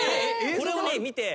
これをね見て。